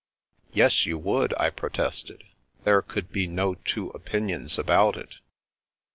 " Yes, you would," I protested. " There could be no two opinions about it."